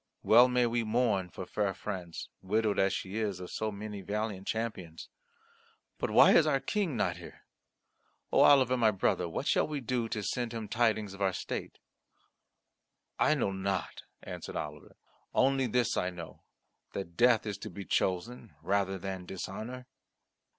Well may we mourn for fair France, widowed as she is of so many valiant champions. But why is our King not here? O Oliver, my brother, what shall we do to send him tidings of our state?" "I know not," answered Oliver. "Only this I know that death is to be chosen rather than dishonour."